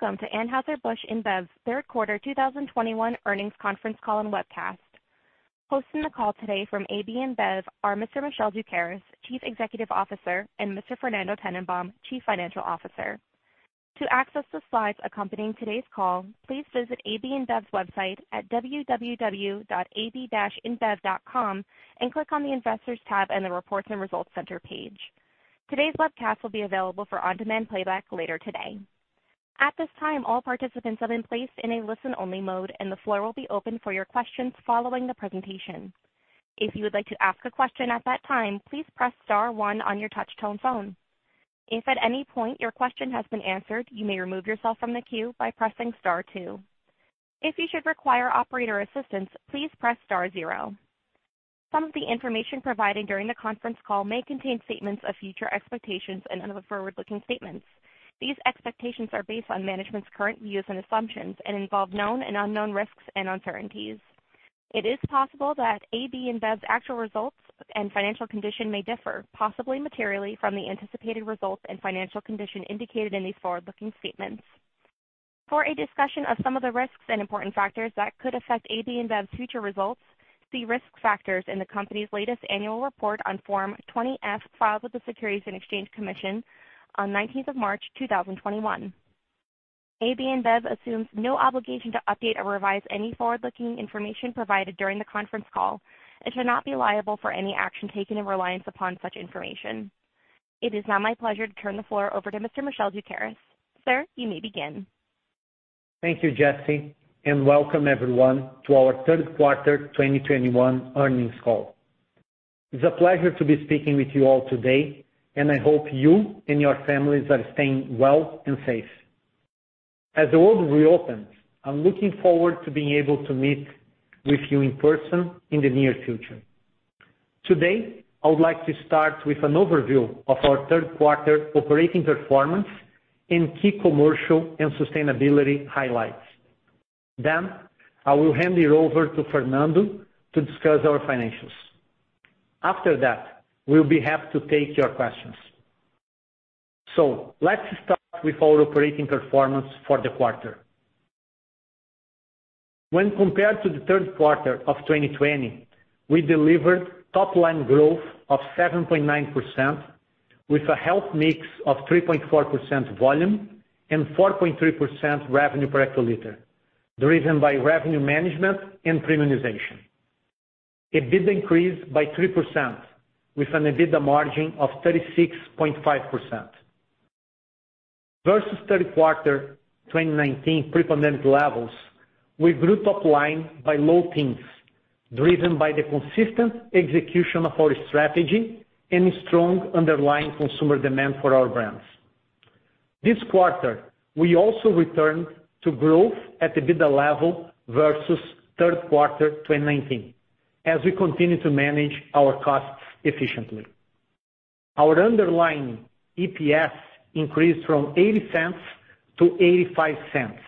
Welcome to Anheuser-Busch InBev's third quarter 2021 earnings conference call and webcast. Hosting the call today from AB InBev are Mr. Michel Doukeris, Chief Executive Officer, and Mr. Fernando Tennenbaum, Chief Financial Officer. To access the slides accompanying today's call, please visit AB InBev's website at www.ab-inbev.com and click on the Investors tab and the Reports and Results Center page. Today's webcast will be available for on-demand playback later today. At this time, all participants have been placed in a listen-only mode, and the floor will be open for your questions following the presentation. If you would like to ask a question at that time, please press star one on your touchtone phone. If at any point your question has been answered, you may remove yourself from the queue by pressing star two. If you should require operator assistance, please press star zero. Some of the information provided during the conference call may contain statements of future expectations and other forward-looking statements. These expectations are based on management's current views and assumptions and involve known and unknown risks and uncertainties. It is possible that AB InBev's actual results and financial condition may differ, possibly materially, from the anticipated results and financial condition indicated in these forward-looking statements. For a discussion of some of the risks and important factors that could affect AB InBev's future results, see risk factors in the company's latest annual report on Form 20-F filed with the Securities and Exchange Commission on March 19, 2021. AB InBev assumes no obligation to update or revise any forward-looking information provided during the conference call and shall not be liable for any action taken in reliance upon such information. It is now my pleasure to turn the floor over to Mr. Michel Doukeris. Sir, you may begin. Thank you, Jesse, and welcome everyone to our third quarter 2021 earnings call. It's a pleasure to be speaking with you all today, and I hope you and your families are staying well and safe. As the world reopens, I'm looking forward to being able to meet with you in person in the near future. Today, I would like to start with an overview of our third quarter operating performance and key commercial and sustainability highlights. Then I will hand it over to Fernando to discuss our financials. After that, we'll be happy to take your questions. Let's start with our operating performance for the quarter. When compared to the third quarter of 2020, we delivered top-line growth of 7.9% with a healthy mix of 3.4% volume and 4.3% revenue per hectoliter, driven by revenue management and premiumization. EBITA increased by 3% with an EBITA margin of 36.5%. Versus third quarter 2019 pre-pandemic levels, we grew top line by low teens, driven by the consistent execution of our strategy and strong underlying consumer demand for our brands. This quarter, we also returned to growth at the EBITDA level versus third quarter 2019 as we continue to manage our costs efficiently. Our underlying EPS increased from $0.80 to $0.85,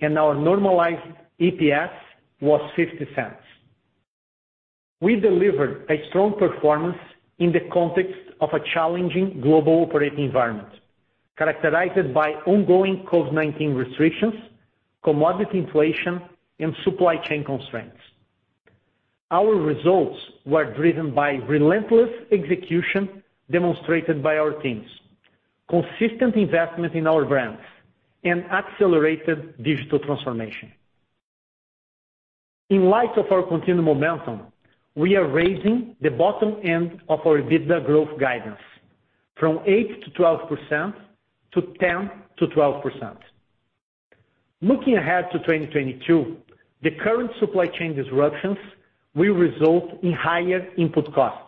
and our normalized EPS was $0.50. We delivered a strong performance in the context of a challenging global operating environment characterized by ongoing COVID-19 restrictions, commodity inflation, and supply chain constraints. Our results were driven by relentless execution demonstrated by our teams, consistent investment in our brands, and accelerated digital transformation. In light of our continued momentum, we are raising the bottom end of our EBITDA growth guidance from 8%-12% to 10%-12%. Looking ahead to 2022, the current supply chain disruptions will result in higher input costs.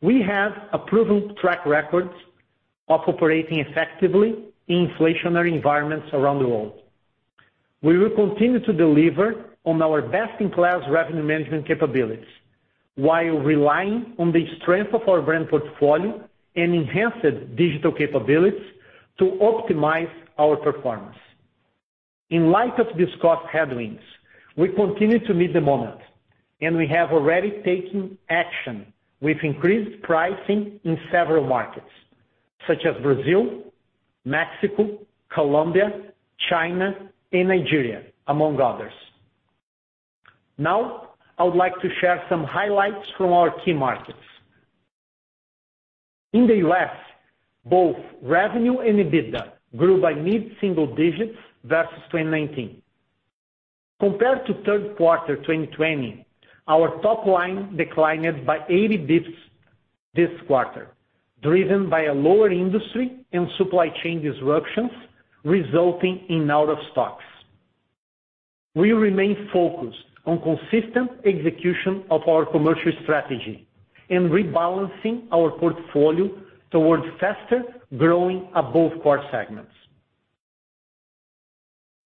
We have a proven track record of operating effectively in inflationary environments around the world. We will continue to deliver on our best-in-class revenue management capabilities while relying on the strength of our brand portfolio and enhanced digital capabilities to optimize our performance. In light of discussed headwinds, we continue to meet the moment, and we have already taken action with increased pricing in several markets such as Brazil, Mexico, Colombia, China, and Nigeria, among others. Now, I would like to share some highlights from our key markets. In the U.S., both revenue and EBITDA grew by mid-single digits versus 2019. Compared to Q3 2020, our top line declined by 80 basis points this quarter, driven by a lower industry and supply chain disruptions resulting in out of stocks. We remain focused on consistent execution of our commercial strategy and rebalancing our portfolio towards faster growing above-core segments.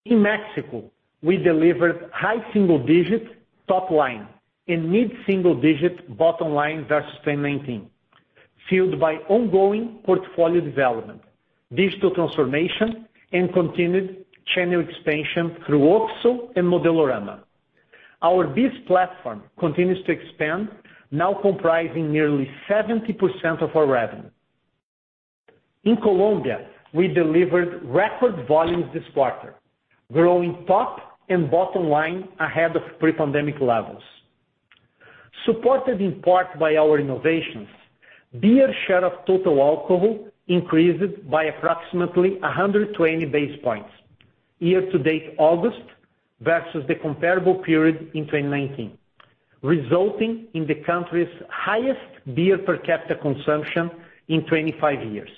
In Mexico, we delivered high single-digit top line and mid-single-digit bottom line versus 2019, fueled by ongoing portfolio development, digital transformation, and continued channel expansion through OXXO and Modelorama. Our BEES platform continues to expand now comprising nearly 70% of our revenue. In Colombia, we delivered record volumes this quarter, growing top and bottom line ahead of pre-pandemic levels. Supported in part by our innovations, beer share of total alcohol increased by approximately 120 basis points, year-to-date August, versus the comparable period in 2019, resulting in the country's highest beer per capita consumption in 25 years.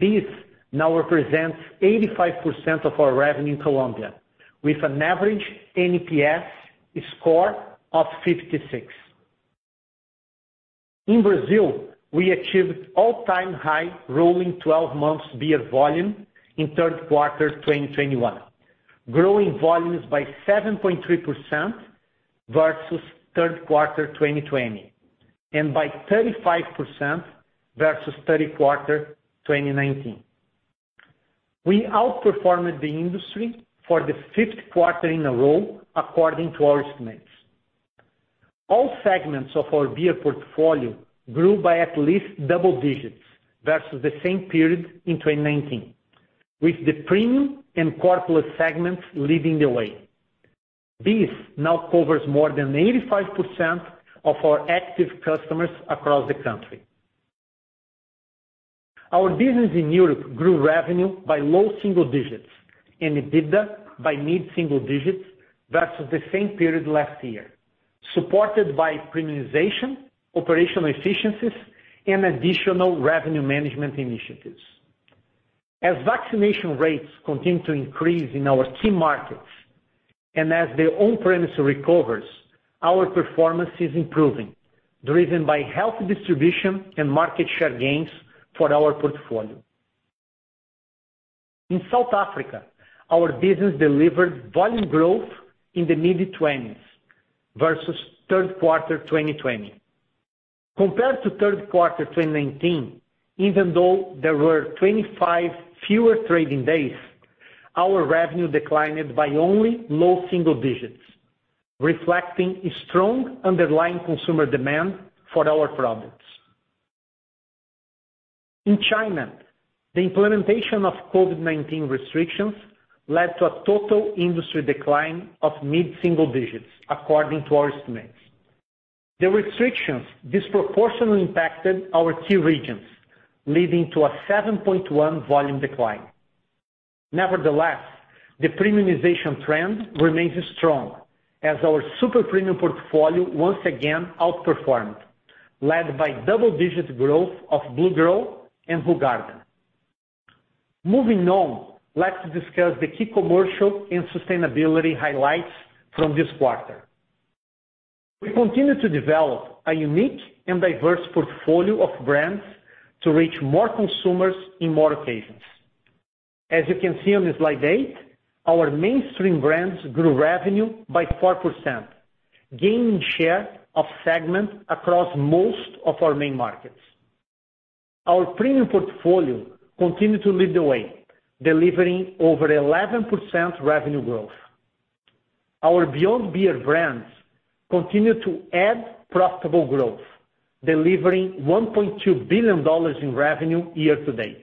This now represents 85% of our revenue in Colombia with an average NPS score of 56. In Brazil, we achieved all-time high rolling twelve months beer volume in third quarter 2021, growing volumes by 7.3% versus third quarter 2020 and by 35% versus third quarter 2019. We outperformed the industry for the fifth quarter in a row according to our estimates. All segments of our beer portfolio grew by at least double digits versus the same period in 2019, with the premium and core plus segments leading the way. This now covers more than 85% of our active customers across the country. Our business in Europe grew revenue by low single digits and EBITDA by mid-single digits versus the same period last year, supported by premiumization, operational efficiencies and additional revenue management initiatives. As vaccination rates continue to increase in our key markets and as the on-premise recovers, our performance is improving, driven by healthy distribution and market share gains for our portfolio. In South Africa, our business delivered volume growth in the mid-20s% versus third quarter 2020. Compared to third quarter 2019, even though there were 25 fewer trading days, our revenue declined by only low single digits percent reflecting a strong underlying consumer demand for our products. In China, the implementation of COVID-19 restrictions led to a total industry decline of mid-single digits according to our estimates. The restrictions disproportionately impacted our key regions, leading to a 7.1% volume decline. Nevertheless, the premiumization trend remains strong as our super premium portfolio once again outperformed, led by double-digit% growth of Blue Girl and Hoegaarden. Moving on, let's discuss the key commercial and sustainability highlights from this quarter. We continue to develop a unique and diverse portfolio of brands to reach more consumers in more occasions. As you can see on slide eight, our mainstream brands grew revenue by 4%, gaining share of segment across most of our main markets. Our premium portfolio continued to lead the way, delivering over 11% revenue growth. Our Beyond Beer brands continue to add profitable growth, delivering $1.2 billion in revenue year to date.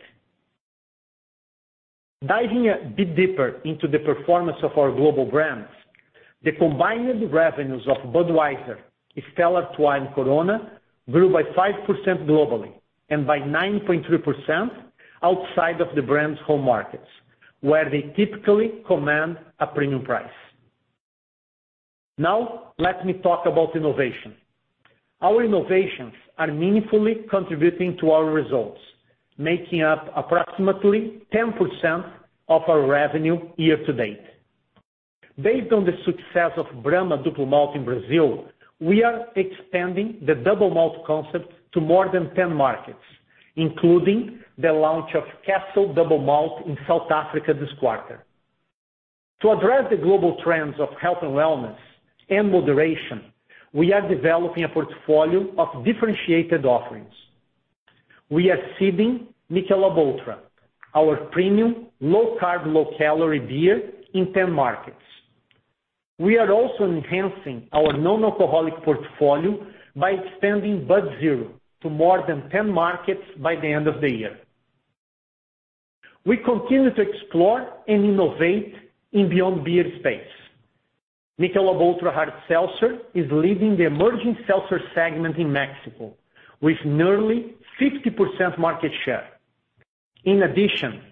Diving a bit deeper into the performance of our global brands, the combined revenues of Budweiser, Stella Artois, Corona grew by 5% globally and by 9.3% outside of the brand's home markets, where they typically command a premium price. Now let me talk about innovation. Our innovations are meaningfully contributing to our results, making up approximately 10% of our revenue year to date. Based on the success of Brahma Double Malt in Brazil, we are expanding the double malt concept to more than 10 markets, including the launch of Castle Double Malt in South Africa this quarter. To address the global trends of health and wellness and moderation, we are developing a portfolio of differentiated offerings. We are seeding Michelob ULTRA, our premium low-carb, low-calorie beer in 10 markets. We are also enhancing our non-alcoholic portfolio by extending Bud Zero to more than 10 markets by the end of the year. We continue to explore and innovate in Beyond Beer space. Michelob ULTRA Hard Seltzer is leading the emerging seltzer segment in Mexico with nearly 50% market share. In addition,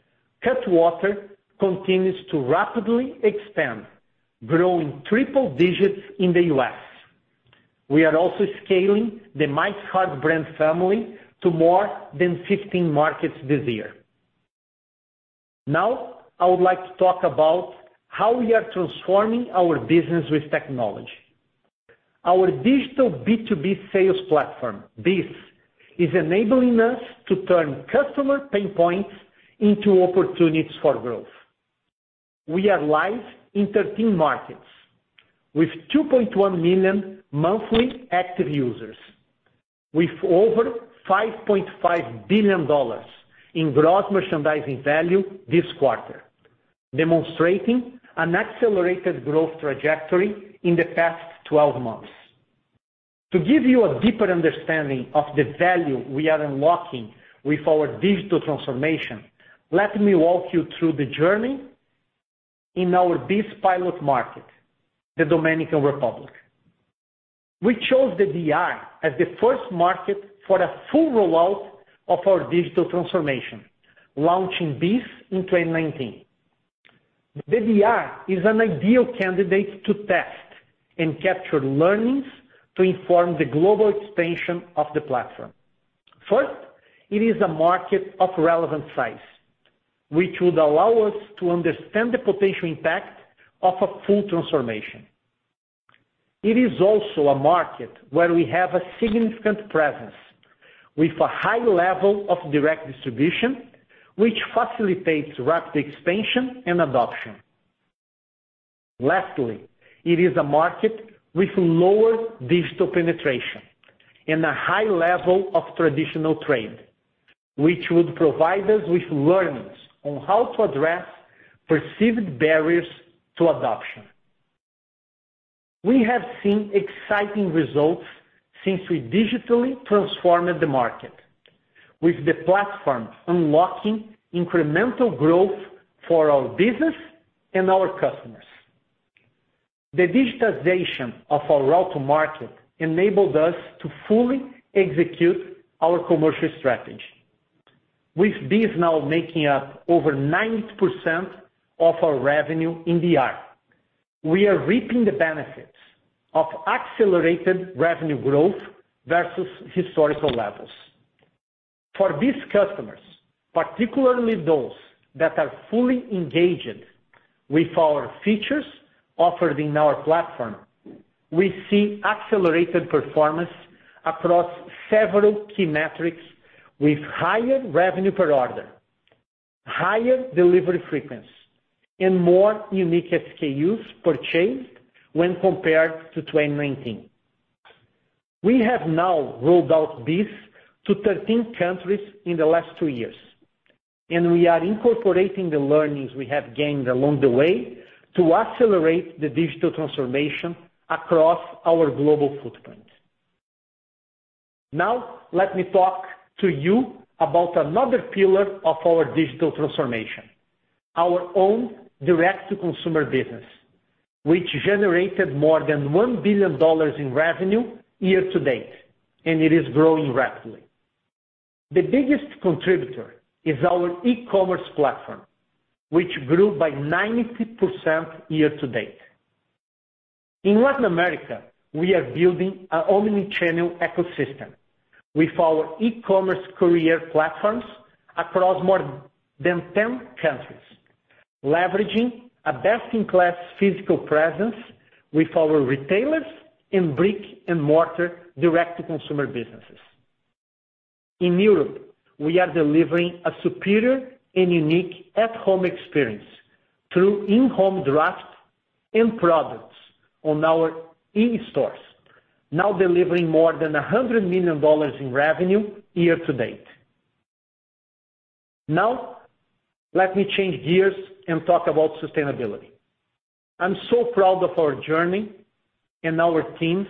Cutwater continues to rapidly expand, growing triple digits in the U.S. We are also scaling the Mike's Hard brand family to more than 15 markets this year. Now, I would like to talk about how we are transforming our business with technology. Our digital B2B sales platform, BEES, is enabling us to turn customer pain points into opportunities for growth. We are live in 13 markets with 2.1 million monthly active users. With over $5.5 billion in gross merchandise value this quarter, demonstrating an accelerated growth trajectory in the past 12 months. To give you a deeper understanding of the value we are unlocking with our digital transformation, let me walk you through the journey in our BEES pilot market, the Dominican Republic. We chose the DR as the first market for a full rollout of our digital transformation, launching BEES in 2019. The DR is an ideal candidate to test and capture learnings to inform the global expansion of the platform. First, it is a market of relevant size, which would allow us to understand the potential impact of a full transformation. It is also a market where we have a significant presence with a high level of direct distribution, which facilitates rapid expansion and adoption. Lastly, it is a market with lower digital penetration and a high level of traditional trade, which would provide us with learnings on how to address perceived barriers to adoption. We have seen exciting results since we digitally transformed the market with the platform unlocking incremental growth for our business and our customers. The digitization of our route to market enabled us to fully execute our commercial strategy. With BEES now making up over 90% of our revenue in DR, we are reaping the benefits of accelerated revenue growth versus historical levels. For BEES customers, particularly those that are fully engaged with our features offered in our platform, we see accelerated performance across several key metrics with higher revenue per order, higher delivery frequency, and more unique SKUs purchased when compared to 2019. We have now rolled out BEES to 13 countries in the last two years, and we are incorporating the learnings we have gained along the way to accelerate the digital transformation across our global footprint. Now, let me talk to you about another pillar of our digital transformation, our own direct-to-consumer business, which generated more than $1 billion in revenue year-to-date, and it is growing rapidly. The biggest contributor is our e-commerce platform, which grew by 92% year-to-date. In Latin America, we are building an omni-channel ecosystem with our e-commerce courier platforms across more than 10 countries, leveraging a best-in-class physical presence with our retailers in brick-and-mortar direct-to-consumer businesses. In Europe, we are delivering a superior and unique at home experience through in-home draft and products on our e-stores, now delivering more than $100 million in revenue year-to-date. Now, let me change gears and talk about sustainability. I'm so proud of our journey and our teams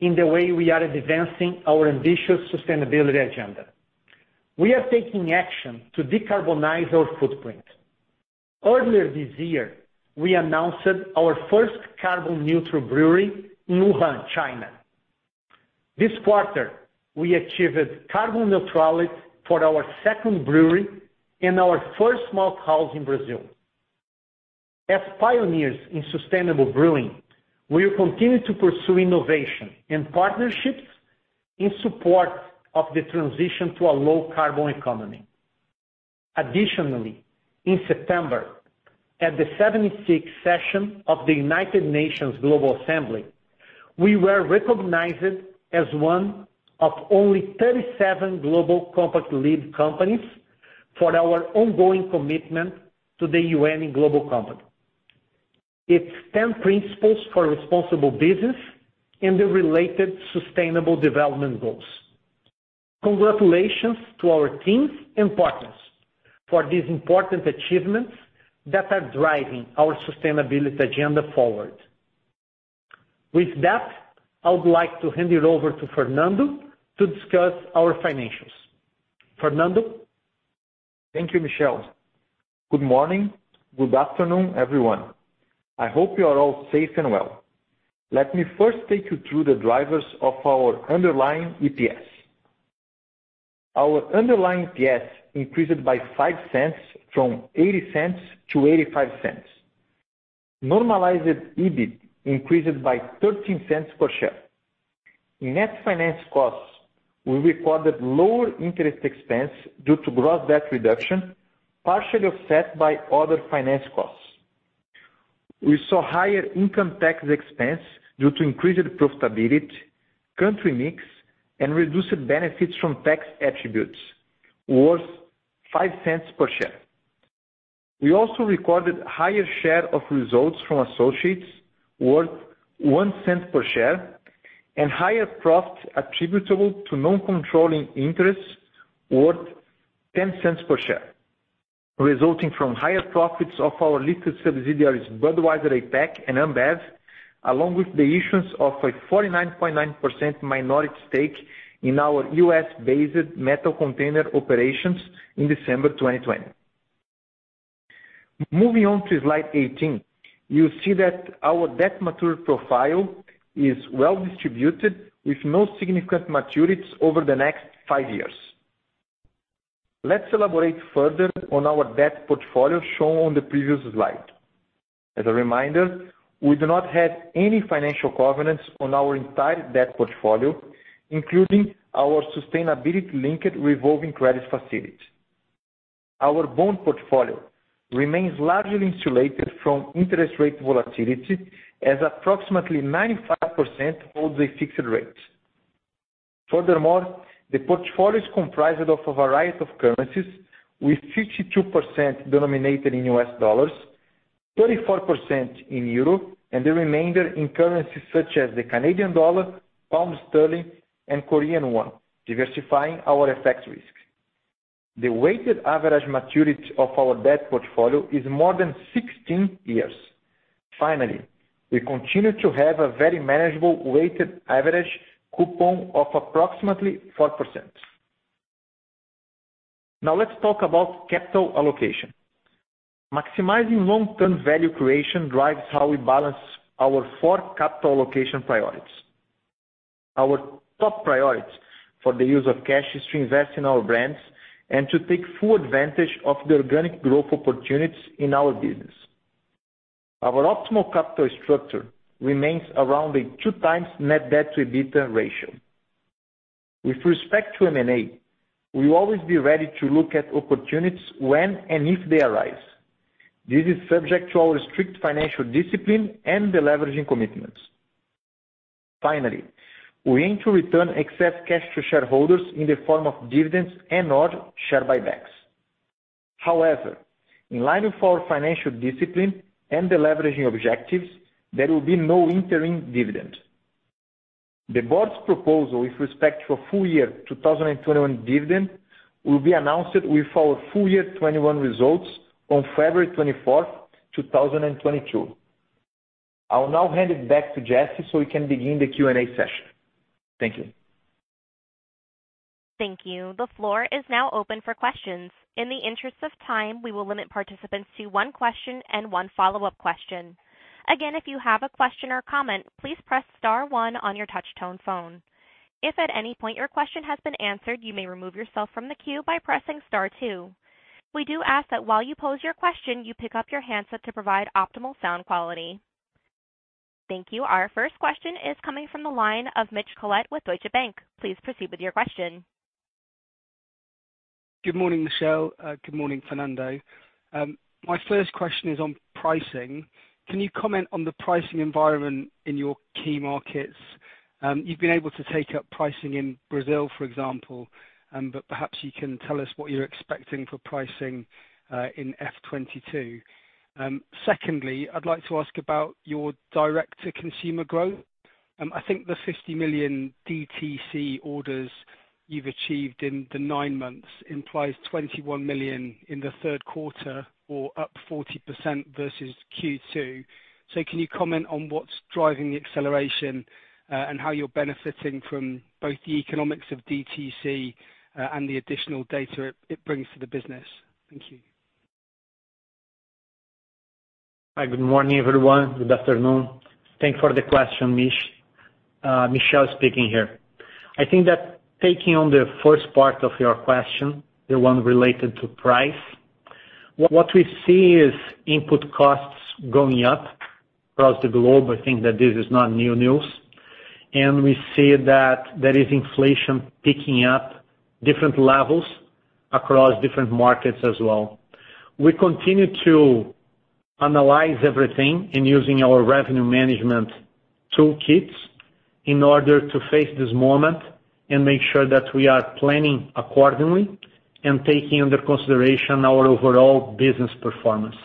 in the way we are advancing our ambitious sustainability agenda. We are taking action to decarbonize our footprint. Earlier this year, we announced our first carbon neutral brewery in Wuhan, China. This quarter, we achieved carbon neutrality for our second brewery and our first malthouse in Brazil. As pioneers in sustainable brewing, we will continue to pursue innovation and partnerships in support of the transition to a low carbon economy. Additionally, in September, at the seventy-sixth session of the United Nations General Assembly, we were recognized as one of only 37 global compact lead companies for our ongoing commitment to the UN Global Compact, its 10 principles for responsible business and the related sustainable development goals. Congratulations to our teams and partners for these important achievements that are driving our sustainability agenda forward. With that, I would like to hand it over to Fernando to discuss our financials. Fernando. Thank you, Michel. Good morning. Good afternoon, everyone. I hope you are all safe and well. Let me first take you through the drivers of our underlying EPS. Our underlying EPS increased by $0.05 from $0.80 to $0.85. Normalized EBIT increased by $0.13 per share. In net finance costs, we recorded lower interest expense due to gross debt reduction, partially offset by other finance costs. We saw higher income tax expense due to increased profitability, country mix, and reduced benefits from tax attributes worth $0.05 per share. We also recorded higher share of results from associates worth $0.01 per share and higher profit attributable to non-controlling interests worth $0.10 per share, resulting from higher profits of our listed subsidiaries, Budweiser APAC and AmBev, along with the issuance of a 49.9% minority stake in our U.S.-based metal container operations in December 2020. Moving on to slide 18, you see that our debt maturity profile is well distributed, with no significant maturities over the next five years. Let's elaborate further on our debt portfolio shown on the previous slide. As a reminder, we do not have any financial covenants on our entire debt portfolio, including our sustainability linked revolving credit facility. Our bond portfolio remains largely insulated from interest rate volatility, as approximately 95% holds a fixed rate. Furthermore, the portfolio is comprised of a variety of currencies, with 52% denominated in U.S. dollars, 34% in euro, and the remainder in currencies such as the Canadian dollar, pound sterling, and Korean won, diversifying our FX risk. The weighted average maturity of our debt portfolio is more than 16 years. Finally, we continue to have a very manageable weighted average coupon of approximately 4%. Now let's talk about capital allocation. Maximizing long-term value creation drives how we balance our four capital allocation priorities. Our top priority for the use of cash is to invest in our brands and to take full advantage of the organic growth opportunities in our business. Our optimal capital structure remains around a 2x net debt to EBITDA ratio. With respect to M&A, we will always be ready to look at opportunities when and if they arise. This is subject to our strict financial discipline and the leverage commitments. Finally, we aim to return excess cash to shareholders in the form of dividends and/or share buybacks. However, in line with our financial discipline and the leverage objectives, there will be no interim dividend. The board's proposal with respect to a full year 2021 dividend will be announced with our full year 2021 results on February 24, 2022. I will now hand it back to Jesse so we can begin the Q&A session. Thank you. Thank you. The floor is now open for questions. In the interest of time, we will limit participants to one question and one follow-up question. Again, if you have a question or comment, please press star one on your touch tone phone. If at any point your question has been answered, you may remove yourself from the queue by pressing star two. We do ask that while you pose your question, you pick up your handset to provide optimal sound quality. Thank you. Our first question is coming from the line of Mitch Collett with Deutsche Bank. Please proceed with your question. Good morning, Michel. Good morning, Fernando. My first question is on pricing. Can you comment on the pricing environment in your key markets? You've been able to take up pricing in Brazil, for example, but perhaps you can tell us what you're expecting for pricing in FY 2022. Secondly, I'd like to ask about your direct to consumer growth. I think the 50 million DTC orders you've achieved in the nine months implies 21 million in the third quarter or up 40% versus Q2. Can you comment on what's driving the acceleration, and how you're benefiting from both the economics of DTC, and the additional data it brings to the business? Thank you. Hi, good morning, everyone. Good afternoon. Thanks for the question, Mitch. Michel speaking here. I think that taking on the first part of your question, the one related to price, what we see is input costs going up across the globe. I think that this is not new news. We see that there is inflation picking up different levels across different markets as well. We continue to analyze everything in using our revenue management toolkits in order to face this moment and make sure that we are planning accordingly and taking under consideration our overall business performance.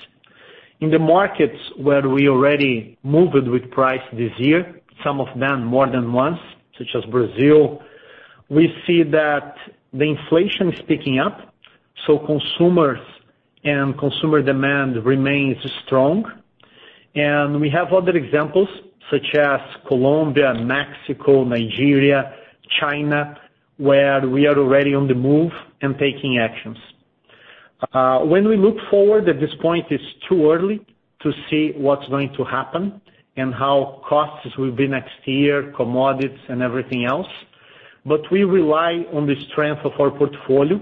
In the markets where we already moved with price this year, some of them more than once, such as Brazil, we see that the inflation is picking up, so consumers and consumer demand remains strong. We have other examples, such as Colombia, Mexico, Nigeria, China, where we are already on the move and taking actions. When we look forward, at this point, it's too early to see what's going to happen and how costs will be next year, commodities and everything else. We rely on the strength of our portfolio,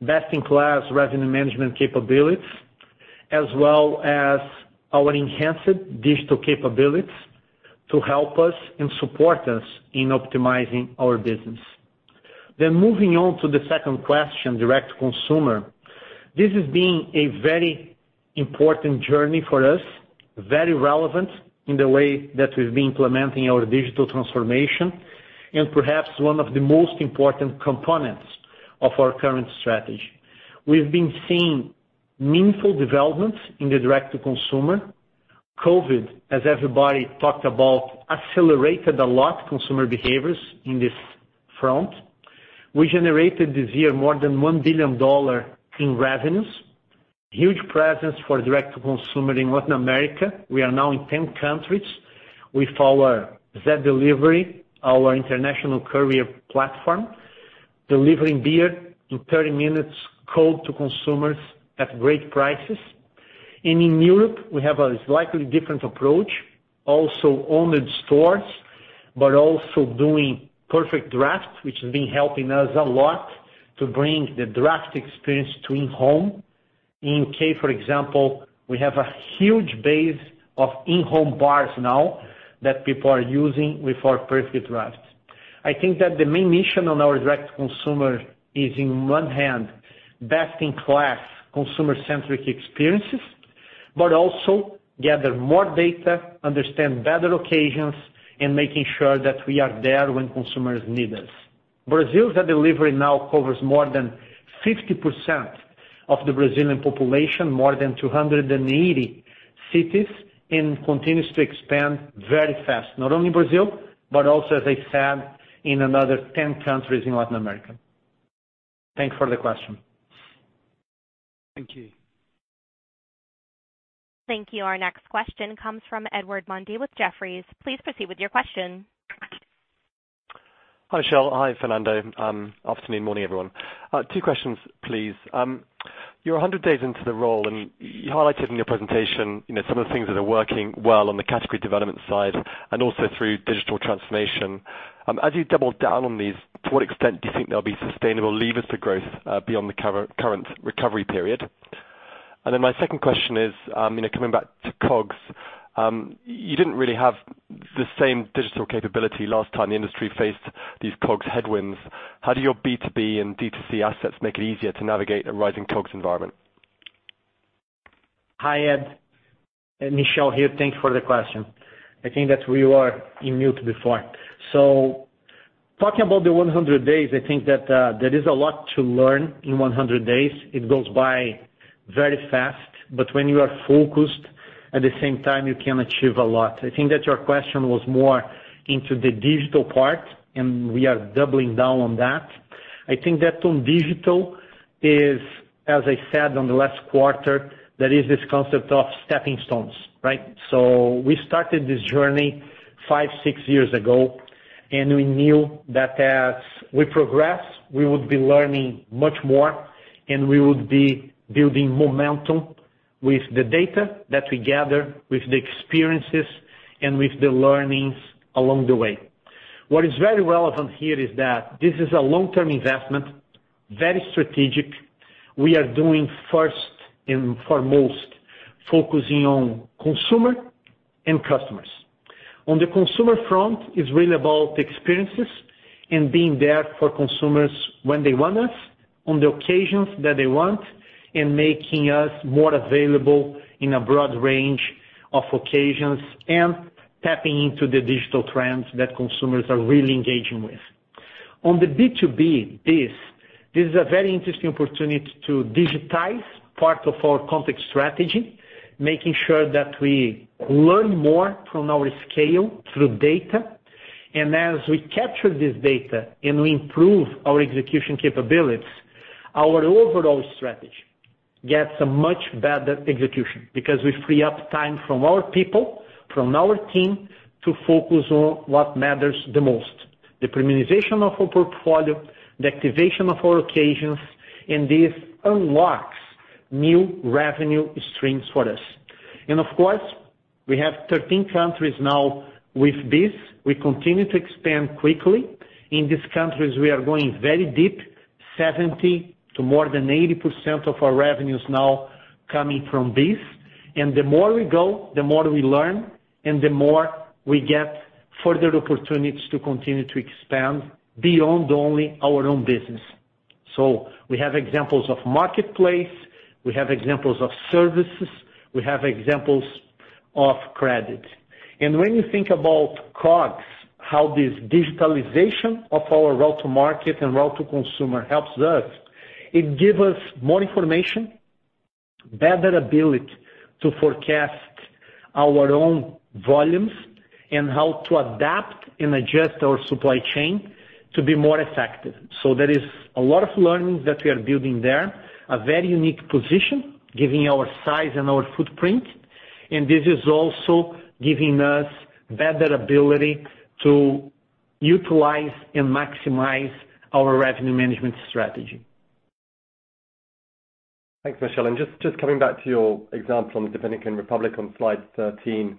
best-in-class revenue management capabilities, as well as our enhanced digital capabilities to help us and support us in optimizing our business. Moving on to the second question, direct consumer. This has been a very important journey for us. Very relevant in the way that we've been implementing our digital transformation, and perhaps one of the most important components of our current strategy. We've been seeing meaningful developments in the direct to consumer. COVID, as everybody talked about, accelerated a lot consumer behaviors in this front. We generated this year more than $1 billion in revenues. Huge presence for direct to consumer in Latin America. We are now in 10 countries with our Zé Delivery, our international courier platform, delivering beer in 30 minutes, cold to consumers at great prices. In Europe, we have a slightly different approach, also owned stores, but also doing PerfectDraft, which has been helping us a lot to bring the draft experience to in-home. In the U.K., for example, we have a huge base of in-home bars now that people are using with our PerfectDraft. I think that the main mission on our direct to consumer is on one hand, best in class consumer centric experiences, but also gather more data, understand better occasions and making sure that we are there when consumers need us. Brazil's delivery now covers more than 50% of the Brazilian population, more than 280 cities, and continues to expand very fast. Not only in Brazil, but also as I said, in another 10 countries in Latin America. Thanks for the question. Thank you. Thank you. Our next question comes from Edward Mundy with Jefferies. Please proceed with your question. Hi, Michel. Hi, Fernando. Afternoon, morning, everyone. Two questions, please. You're 100 days into the role, and you highlighted in your presentation, you know, some of the things that are working well on the category development side and also through digital transformation. As you double down on these, to what extent do you think there'll be sustainable levers for growth beyond the current recovery period? And then my second question is, you know, coming back to COGS, you didn't really have the same digital capability last time the industry faced these COGS headwinds. How do your B2B and B2C assets make it easier to navigate a rising COGS environment? Hi, Ed. Michel here. Thank you for the question. I think that you were on mute before. Talking about the 100 days, I think that there is a lot to learn in 100 days. It goes by very fast, but when you are focused at the same time, you can achieve a lot. I think that your question was more into the digital part, and we are doubling down on that. I think that on digital is, as I said on the last quarter, there is this concept of stepping stones, right? We started this journey five, six years ago, and we knew that as we progress, we would be learning much more, and we would be building momentum with the data that we gather, with the experiences, and with the learnings along the way. What is very relevant here is that this is a long-term investment, very strategic. We are doing first and foremost, focusing on consumer and customers. On the consumer front, it's really about experiences and being there for consumers when they want us, on the occasions that they want, and making us more available in a broad range of occasions and tapping into the digital trends that consumers are really engaging with. On the B2B piece, this is a very interesting opportunity to digitize part of our complex strategy, making sure that we learn more from our scale through data. As we capture this data and we improve our execution capabilities, our overall strategy gets a much better execution because we free up time from our people, from our team to focus on what matters the most, the premiumization of our portfolio, the activation of our occasions, and this unlocks new revenue streams for us. Of course, we have 13 countries now with this. We continue to expand quickly. In these countries, we are going very deep, 70% to more than 80% of our revenue is now coming from this. The more we go, the more we learn and the more we get further opportunities to continue to expand beyond only our own business. We have examples of marketplace, we have examples of services, we have examples of credit. When you think about COGS, how this digitalization of our route to market and route to consumer helps us, it give us more information, better ability to forecast our own volumes and how to adapt and adjust our supply chain to be more effective. There is a lot of learnings that we are building there, a very unique position, giving our size and our footprint, and this is also giving us better ability to utilize and maximize our revenue management strategy. Thanks, Michel. Just coming back to your example on Dominican Republic on slide 13,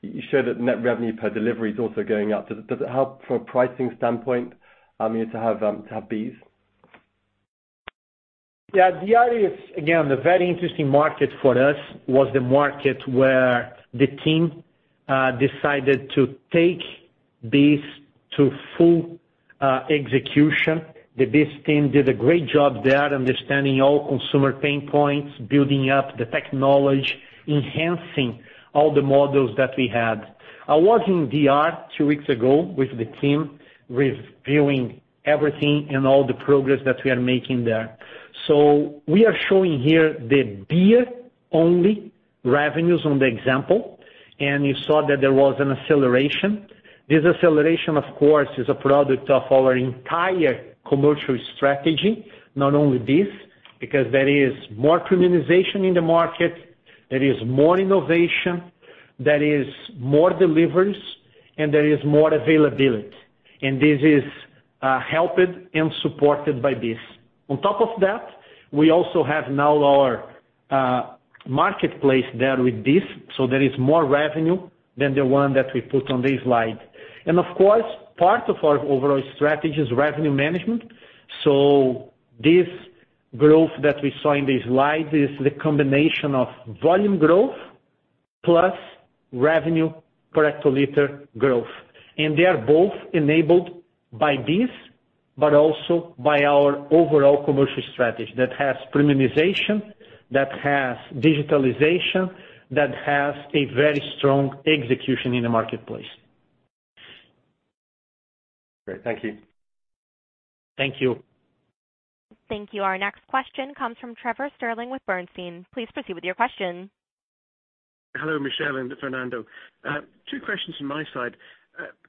you showed that net revenue per delivery is also going up. Does it help from a pricing standpoint, you know, to have these? Yeah. The idea is, again, the very interesting market for us was the market where the team decided to take this to full execution. The BEES team did a great job there, understanding all consumer pain points, building up the technology, enhancing all the models that we had. I was in DR two weeks ago with the team, reviewing everything and all the progress that we are making there. We are showing here the beer-only revenues on the example, and you saw that there was an acceleration. This acceleration, of course, is a product of our entire commercial strategy, not only this, because there is more premiumization in the market, there is more innovation, there is more deliveries, and there is more availability. This is helped and supported by this. On top of that, we also have now our marketplace there with this, so there is more revenue than the one that we put on this slide. Of course, part of our overall strategy is revenue management. This growth that we saw in this slide is the combination of volume growth plus revenue per hectoliter growth. They are both enabled by this, but also by our overall commercial strategy that has premiumization, that has digitalization, that has a very strong execution in the marketplace. Great. Thank you. Thank you. Thank you. Our next question comes from Trevor Stirling with Bernstein. Please proceed with your question. Hello, Michel and Fernando. Two questions from my side.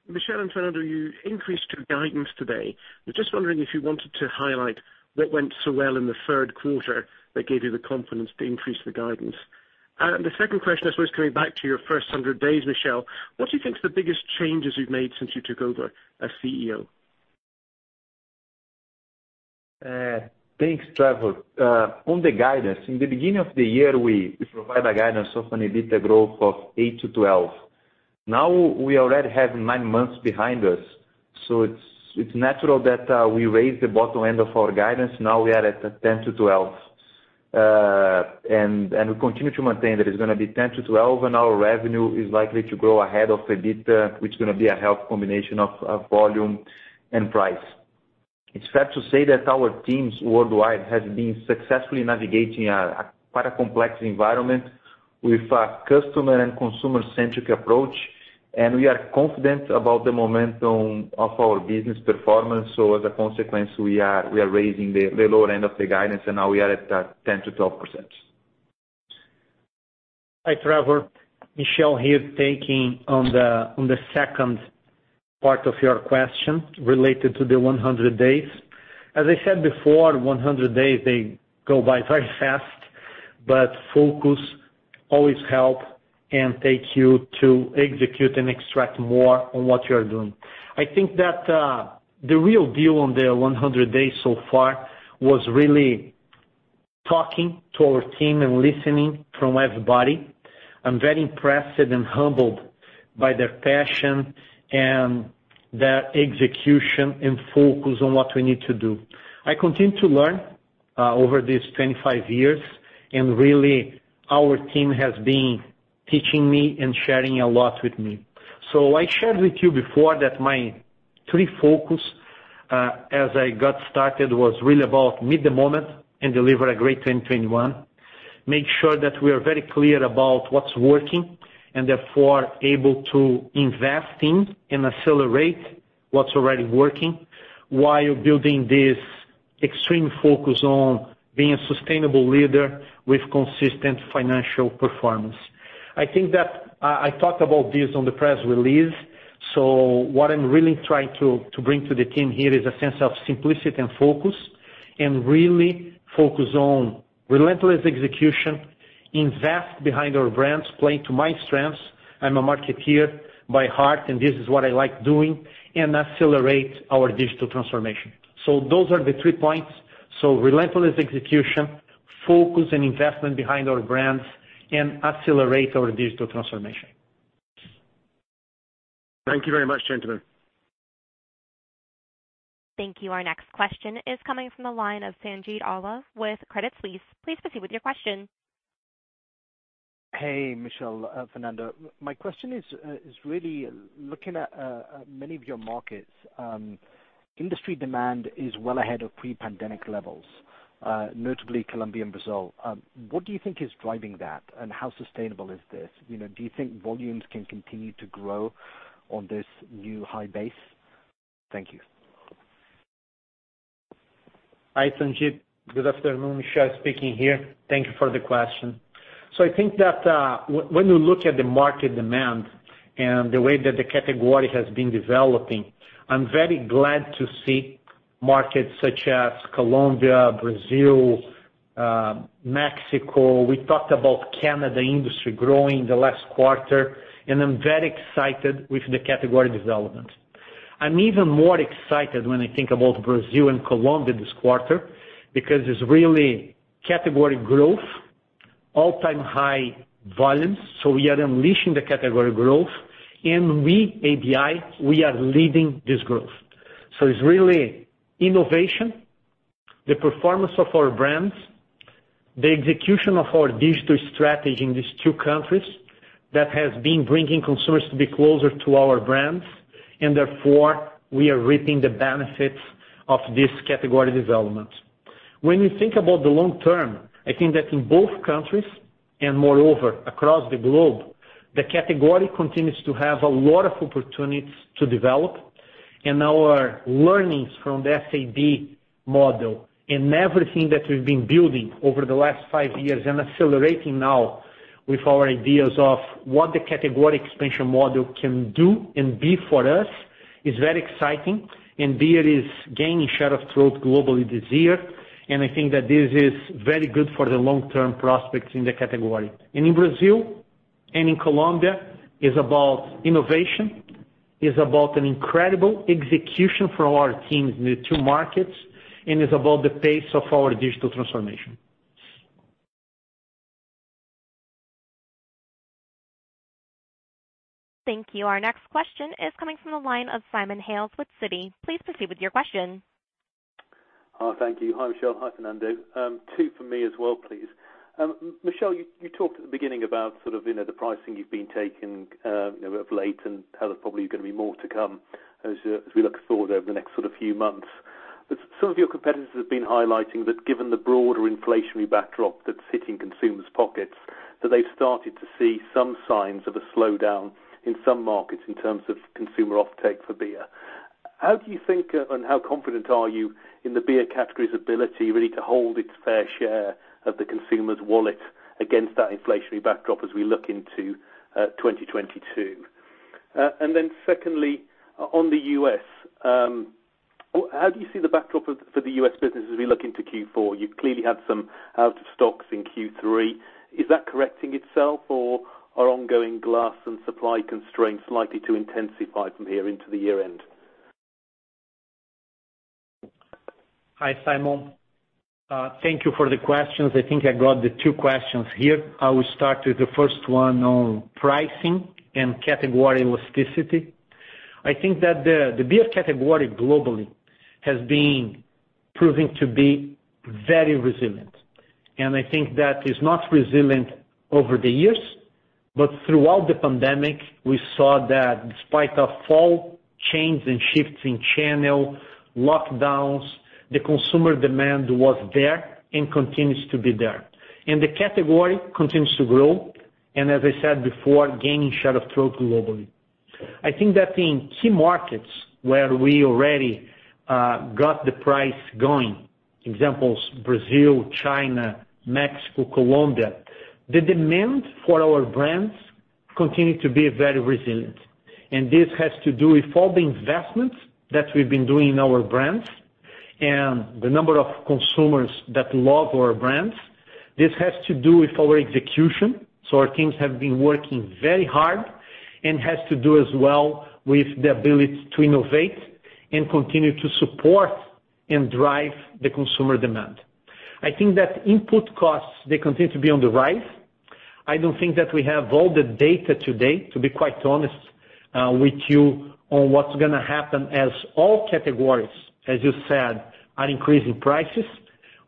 Michel and Fernando, you increased your guidance today. I'm just wondering if you wanted to highlight what went so well in the third quarter that gave you the confidence to increase the guidance. The second question, I suppose, coming back to your first 100 days, Michel, what do you think is the biggest changes you've made since you took over as CEO? Thanks, Trevor. On the guidance, in the beginning of the year, we provide a guidance of an EBITDA growth of 8%-12%. Now we already have nine months behind us, so it's natural that we raise the bottom end of our guidance. Now we are at 10%-12%. And we continue to maintain that it's gonna be 10%-12%, and our revenue is likely to grow ahead of EBITDA, which is gonna be a healthy combination of volume and price. It's fair to say that our teams worldwide have been successfully navigating a quite complex environment with a customer and consumer-centric approach, and we are confident about the momentum of our business performance. As a consequence, we are raising the lower end of the guidance, and now we are at that 10%-12%. Hi, Trevor. Michel here taking on the second part of your question related to the 100 days. As I said before, 100 days, they go by very fast, but focus always help and take you to execute and extract more on what you're doing. I think that the real deal on the 100 days so far was really talking to our team and listening from everybody. I'm very impressed and humbled by their passion and their execution and focus on what we need to do. I continue to learn over these 25 years, and really our team has been teaching me and sharing a lot with me. I shared with you before that my three focus as I got started was really about meet the moment and deliver a great 2021. Make sure that we are very clear about what's working and therefore able to invest in and accelerate what's already working, while building this extreme focus on being a sustainable leader with consistent financial performance. I think that I talked about this on the press release, so what I'm really trying to bring to the team here is a sense of simplicity and focus, and really focus on relentless execution, invest behind our brands, play to my strengths. I'm a marketer by heart, and this is what I like doing, and accelerate our digital transformation. Those are the three points. Relentless execution, focus and investment behind our brands, and accelerate our digital transformation. Thank you very much, gentlemen. Thank you. Our next question is coming from the line of Sanjeet Aujla with Credit Suisse. Please proceed with your question. Hey, Michel, Fernando. My question is really looking at many of your markets, industry demand is well ahead of pre-pandemic levels, notably Colombia and Brazil. What do you think is driving that? How sustainable is this? You know, do you think volumes can continue to grow on this new high base? Thank you. Hi, Sanjit. Good afternoon. Michel speaking here. Thank you for the question. I think that when you look at the market demand and the way that the category has been developing, I'm very glad to see markets such as Colombia, Brazil, Mexico. We talked about Canada industry growing the last quarter, and I'm very excited with the category development. I'm even more excited when I think about Brazil and Colombia this quarter because it's really category growth, all-time high volumes. We are unleashing the category growth. We, ABI, we are leading this growth. It's really innovation, the performance of our brands, the execution of our digital strategy in these two countries that has been bringing consumers to be closer to our brands, and therefore we are reaping the benefits of this category development. When we think about the long term, I think that in both countries and moreover across the globe, the category continues to have a lot of opportunities to develop. Our learnings from the SAB model and everything that we've been building over the last five years and accelerating now with our ideas of what the category expansion model can do and be for us is very exciting. Beer is gaining share of throat globally this year, and I think that this is very good for the long-term prospects in the category. In Brazil and in Colombia, it is about innovation, it is about an incredible execution from our teams in the two markets, and it's about the pace of our digital transformation. Thank you. Our next question is coming from the line of Simon Hales with Citi. Please proceed with your question. Thank you. Hi, Michel. Hi, Fernando. Two for me as well, please. Michel, you talked at the beginning about sort of, you know, the pricing you've been taking, you know, of late and how there's probably gonna be more to come as we look forward over the next sort of few months. Some of your competitors have been highlighting that given the broader inflationary backdrop that's hitting consumers' pockets, that they've started to see some signs of a slowdown in some markets in terms of consumer offtake for beer. How do you think and how confident are you in the beer category's ability really to hold its fair share of the consumer's wallet against that inflationary backdrop as we look into 2022? Secondly, on the U.S., how do you see the backdrop for the U.S. business as we look into Q4? You clearly had some out-of-stocks in Q3. Is that correcting itself or are ongoing glass and supply constraints likely to intensify from here into the year-end? Hi, Simon. Thank you for the questions. I think I got the two questions here. I will start with the first one on pricing and category elasticity. I think that the beer category globally has been proving to be very resilient. I think that it's not resilient over the years, but throughout the pandemic we saw that despite a fall, change and shifts in channel, lockdowns, the consumer demand was there and continues to be there. The category continues to grow, and as I said before, gaining share of throat globally. I think that in key markets where we already got the price going, examples Brazil, China, Mexico, Colombia, the demand for our brands continue to be very resilient. This has to do with all the investments that we've been doing in our brands and the number of consumers that love our brands. This has to do with our execution, so our teams have been working very hard and has to do as well with the ability to innovate and continue to support and drive the consumer demand. I think that input costs, they continue to be on the rise. I don't think that we have all the data today, to be quite honest, with you on what's gonna happen as all categories, as you said, are increasing prices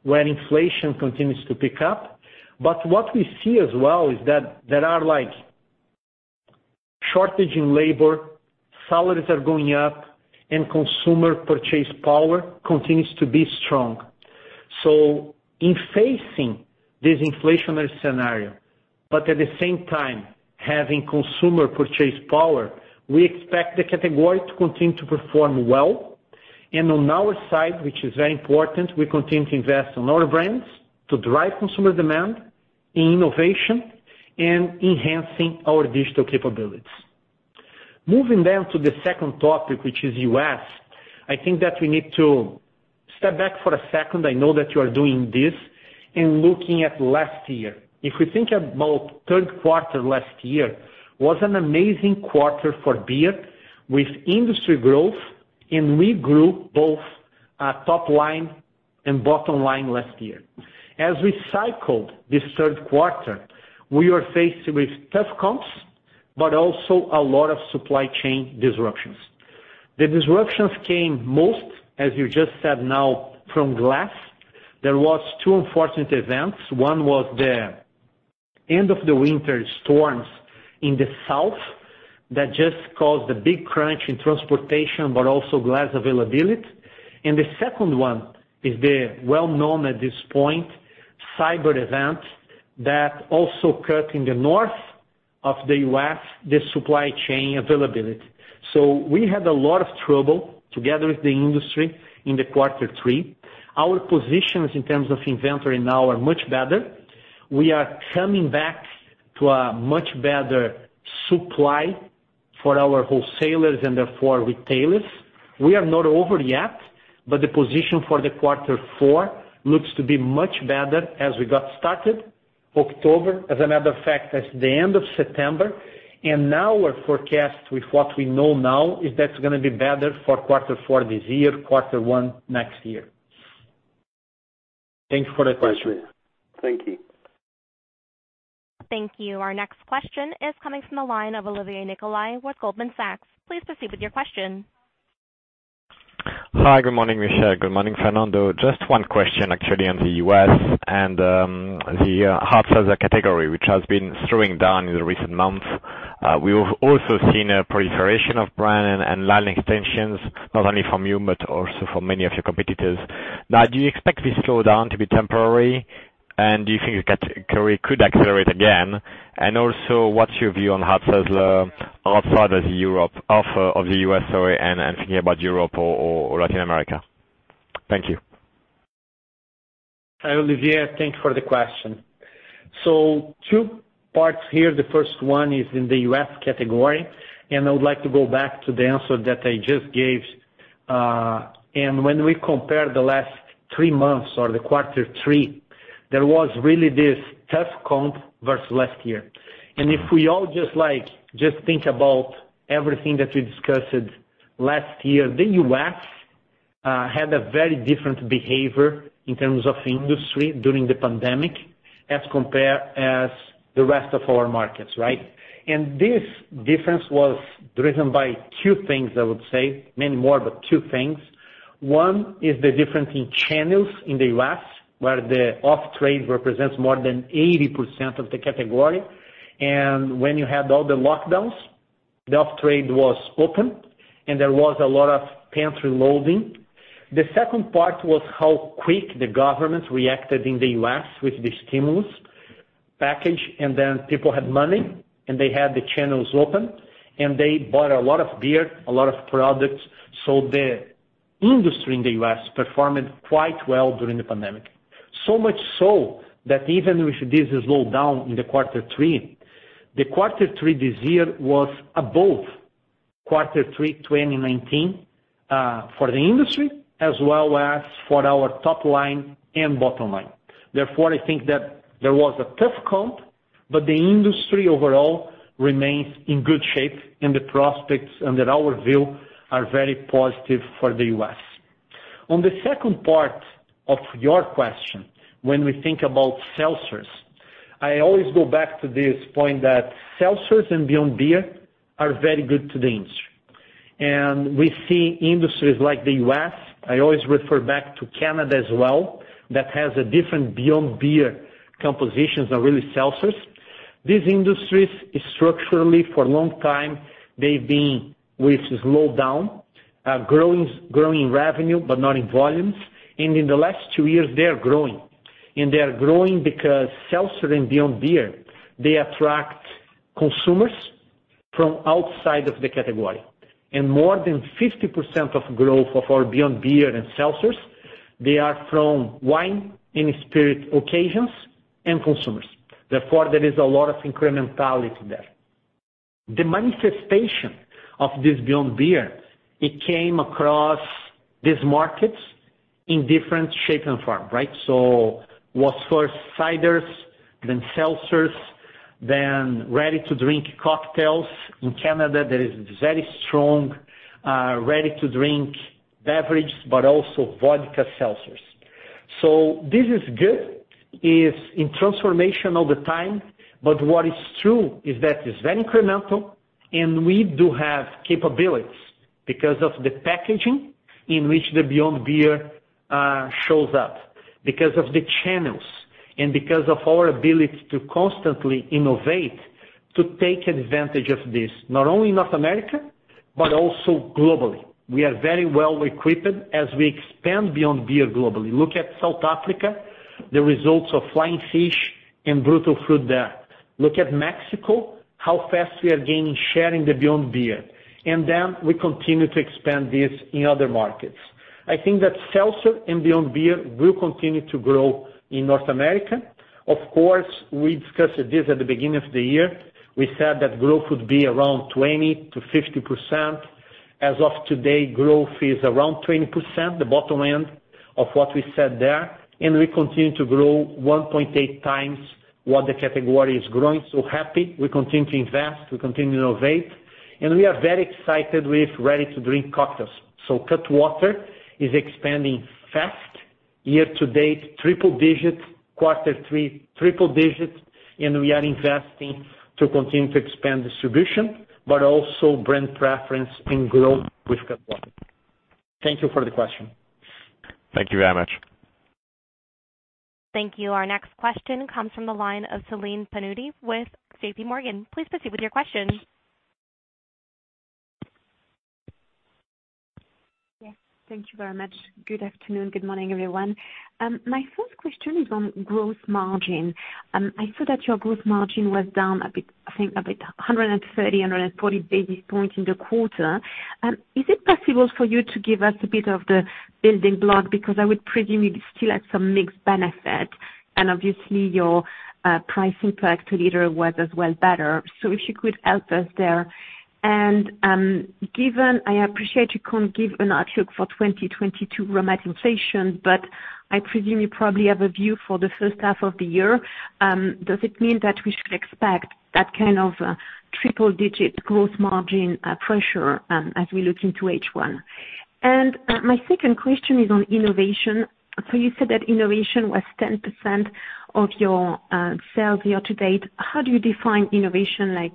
when inflation continues to pick up. What we see as well is that there are like shortage in labor, salaries are going up, and consumer purchase power continues to be strong. In facing this inflationary scenario, but at the same time having consumer purchase power, we expect the category to continue to perform well. On our side, which is very important, we continue to invest on our brands to drive consumer demand in innovation and enhancing our digital capabilities. Moving down to the second topic, which is U.S., I think that we need to step back for a second, I know that you are doing this, in looking at last year. If we think about third quarter last year, was an amazing quarter for beer with industry growth, and we grew both, top line and bottom line last year. As we cycle this third quarter, we are faced with tough comps, but also a lot of supply chain disruptions. The disruptions came most, as you just said now, from glass. There was two unfortunate events. One was the end of the winter storms in the south that just caused a big crunch in transportation, but also glass availability. The second one is the well-known at this point, cyber event that also cut in the north of the U.S., the supply chain availability. We had a lot of trouble together with the industry in the quarter three. Our positions in terms of inventory now are much better. We are coming back to a much better supply for our wholesalers and therefore retailers. We are not over yet, but the position for the quarter four looks to be much better as we got started October. As a matter of fact, as of the end of September. Now our forecast with what we know now is that's gonna be better for quarter four this year, quarter one next year. Thank you for the question. Thank you. Thank you. Our next question is coming from the line of Olivier Nicolaï with Goldman Sachs. Please proceed with your question. Hi, good morning, Michel. Good morning, Fernando. Just one question actually on the U.S. and the hard seltzer category, which has been slowing down in the recent months. We've also seen a proliferation of brand and line extensions, not only from you but also from many of your competitors. Now, do you expect this slowdown to be temporary, and do you think the category could accelerate again? Also, what's your view on hard seltzer outside of the U.S., sorry, and thinking about Europe or Latin America? Thank you. Hi, Olivier. Thank you for the question. Two parts here. The first one is in the U.S. category, and I would like to go back to the answer that I just gave. When we compare the last three months or quarter three, there was really this tough comp versus last year. If we all just like think about everything that we discussed last year, the U.S. had a very different behavior in terms of industry during the pandemic as compared to the rest of our markets, right? This difference was driven by two things, I would say. Many more, but two things. One is the difference in channels in the U.S., where the off-trade represents more than 80% of the category. When you had all the lockdowns, the off-trade was open and there was a lot of pantry loading. The second part was how quick the government reacted in the U.S. with the stimulus package, and then people had money, and they had the channels open, and they bought a lot of beer, a lot of products. The industry in the U.S. performed quite well during the pandemic. So much so that even with this slowdown in the quarter three, the quarter three this year was above quarter three, 2019, for the industry as well as for our top line and bottom line. Therefore, I think that there was a tough comp, but the industry overall remains in good shape and the prospects under our view are very positive for the U.S. On the second part of your question, when we think about seltzers, I always go back to this point that seltzers and Beyond Beer are very good to the industry. We see industries like the U.S., I always refer back to Canada as well, that has a different Beyond Beer compositions of really seltzers. These industries structurally for a long time they've been with slowdown, growing revenue but not in volumes. In the last two years, they are growing. They are growing because seltzer and Beyond Beer, they attract consumers from outside of the category. More than 50% of growth of our Beyond Beer and seltzers, they are from wine and spirit occasions and consumers. Therefore, there is a lot of incrementality there. The manifestation of this Beyond Beer, it came across these markets in different shape and form, right? It was first ciders, then seltzers, then ready-to-drink cocktails. In Canada, there is very strong ready-to-drink beverage, but also vodka seltzers. This is good. It's in transformation all the time, but what is true is that it's very incremental, and we do have capabilities because of the packaging in which the Beyond Beer shows up, because of the channels and because of our ability to constantly innovate to take advantage of this, not only in North America, but also globally. We are very well equipped as we expand Beyond Beer globally. Look at South Africa, the results of Flying Fish and Brutal Fruit there. Look at Mexico, how fast we are gaining share in the Beyond Beer. Then we continue to expand this in other markets. I think that seltzer and Beyond Beer will continue to grow in North America. Of course, we discussed this at the beginning of the year. We said that growth would be around 20%-50%. As of today, growth is around 20%, the bottom end of what we said there, and we continue to grow 1.8x what the category is growing. Happy. We continue to invest, we continue to innovate, and we are very excited with ready-to-drink cocktails. Cutwater is expanding fast. Year-to-date, triple digits. We are investing to continue to expand distribution, but also brand preference and growth with Cutwater. Thank you for the question. Thank you very much. Thank you. Our next question comes from the line of Celine Pannuti with JPMorgan. Please proceed with your question. Yes, thank you very much. Good afternoon. Good morning, everyone. My first question is on gross margin. I saw that your gross margin was down a bit, I think 130 basis points-140 basis points in the quarter. Is it possible for you to give us a bit of the building block? Because I would presume you'd still have some mix benefit. Obviously your pricing per liter was as well better. If you could help us there. Given I appreciate you can't give an outlook for 2022 raw material inflation, but I presume you probably have a view for the first half of the year. Does it mean that we should expect that kind of triple-digit growth margin pressure as we look into H1? My second question is on innovation. You said that innovation was 10% of your sales year to date. How do you define innovation like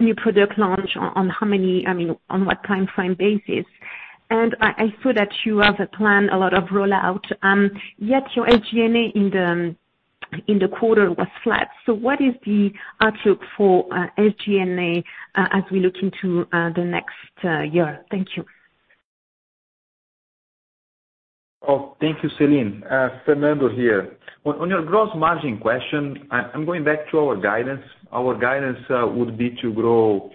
new product launch, I mean, on what time frame basis? I saw that you have a plan, a lot of rollout, yet your SG&A in the quarter was flat. What is the outlook for SG&A as we look into the next year? Thank you. Thank you, Celine. Fernando here. On your gross margin question, I'm going back to our guidance. Our guidance would be to grow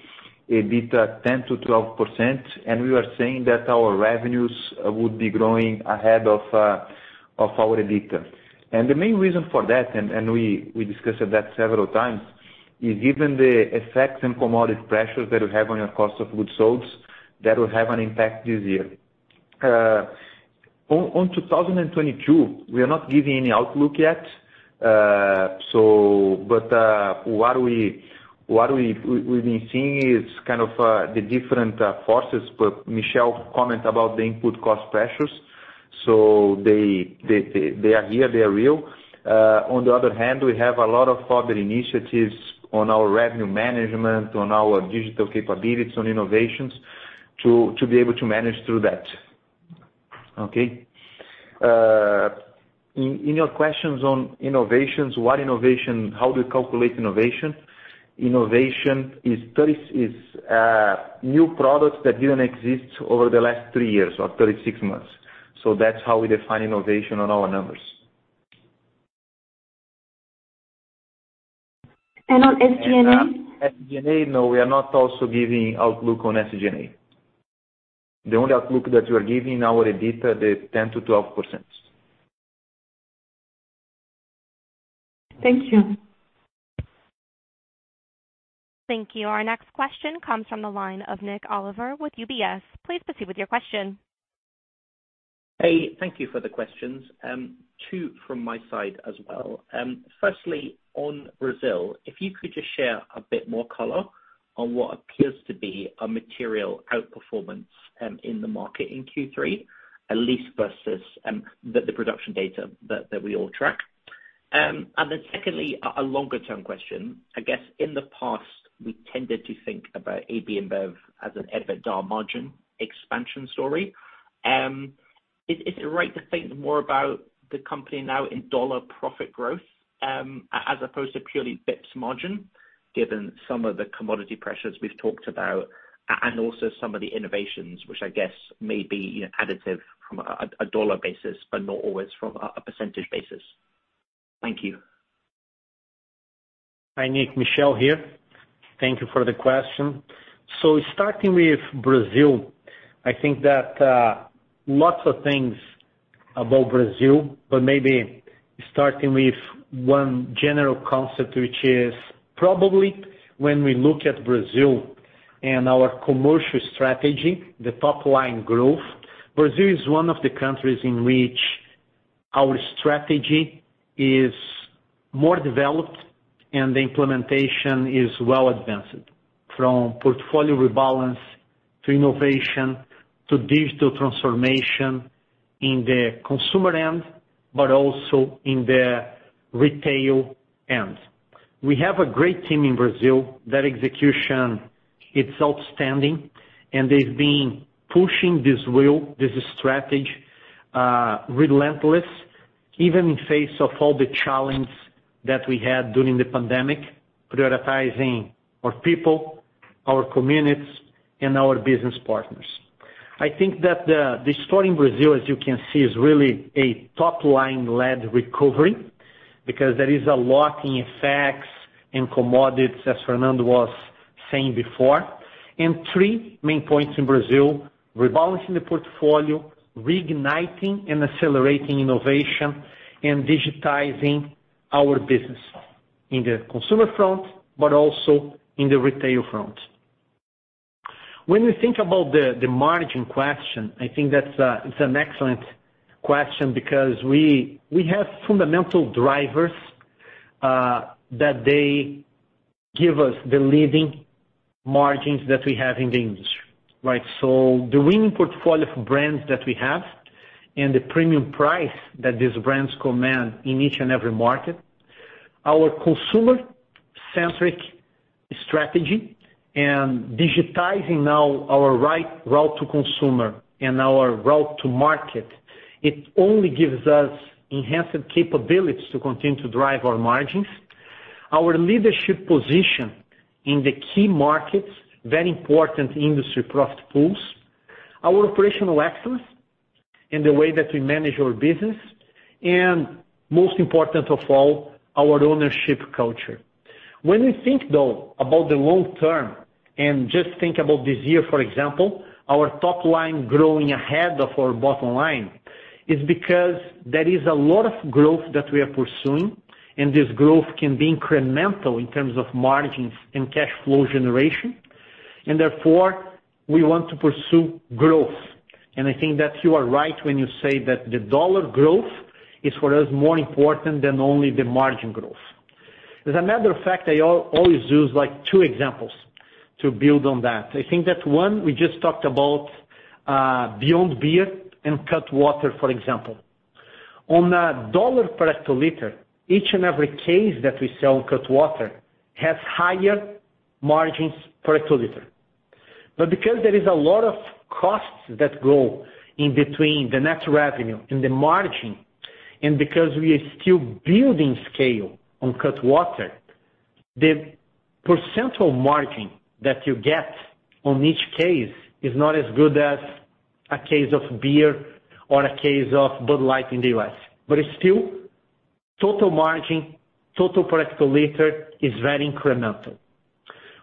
EBITDA 10%-12%, and we were saying that our revenues would be growing ahead of our EBITDA. The main reason for that, which we discussed several times, is given the effects and commodity pressures that we have on our cost of goods sold, that will have an impact this year. On 2022, we are not giving any outlook yet. So but what we've been seeing is kind of the different forces, but Michel's comment about the input cost pressures. They are here, they are real. On the other hand, we have a lot of other initiatives on our revenue management, on our digital capabilities, on innovations to be able to manage through that. Okay. In your questions on innovations, what innovation, how do we calculate innovation? Innovation is new products that didn't exist over the last three years or 36 months. That's how we define innovation on our numbers. On SG&A? SG&A, no, we are not also giving outlook on SG&A. The only outlook that we are giving is our EBITDA, the 10%-12%. Thank you. Thank you. Our next question comes from the line of Nik Oliver with UBS. Please proceed with your question. Hey, thank you for the questions. Two from my side as well. Firstly, on Brazil, if you could just share a bit more color on what appears to be a material outperformance in the market in Q3, at least versus the production data that we all track. And then secondly, a longer term question. I guess in the past, we tended to think about AB InBev as an EBITDA margin expansion story. Is it right to think more about the company now in dollar profit growth as opposed to purely EBITDA margin, given some of the commodity pressures we've talked about, and also some of the innovations which I guess may be additive from a dollar basis, but not always from a percentage basis? Thank you. Hi, Nick. Michel here. Thank you for the question. Starting with Brazil, I think that lots of things about Brazil, but maybe starting with one general concept, which is probably when we look at Brazil and our commercial strategy, the top line growth, Brazil is one of the countries in which our strategy is more developed and the implementation is well advanced, from portfolio rebalance to innovation to digital transformation in the consumer end, but also in the retail end. We have a great team in Brazil. That execution, it's outstanding, and they've been pushing this wheel, this strategy, relentless, even in face of all the challenge that we had during the pandemic, prioritizing our people, our communities, and our business partners. I think that the story in Brazil, as you can see, is really a top line led recovery because there is a lot of effects in commodities, as Fernando was saying before. Three main points in Brazil, rebalancing the portfolio, reigniting and accelerating innovation, and digitizing our business in the consumer front, but also in the retail front. When we think about the margin question, I think that's, it's an excellent question because we have fundamental drivers that they give us the leading margins that we have in the industry, right? The winning portfolio for brands that we have and the premium price that these brands command in each and every market, our consumer centric strategy and digitizing now our route to consumer and our route to market, it only gives us enhanced capabilities to continue to drive our margins. Our leadership position in the key markets, very important industry profit pools, our operational excellence in the way that we manage our business, and most important of all, our ownership culture. When we think, though, about the long term and just think about this year, for example, our top line growing ahead of our bottom line is because there is a lot of growth that we are pursuing, and this growth can be incremental in terms of margins and cash flow generation. Therefore, we want to pursue growth. I think that you are right when you say that the dollar growth is, for us, more important than only the margin growth. As a matter of fact, I always use like two examples to build on that. I think that one we just talked about, Beyond Beer and Cutwater, for example. On a dollar per hectoliter, each and every case that we sell Cutwater has higher margins per hectoliter. Because there is a lot of costs that go in between the net revenue and the margin, and because we are still building scale on Cutwater, the percentage margin that you get on each case is not as good as a case of beer or a case of Bud Light in the U.S. It's still total margin, total price per hectoliter is very incremental.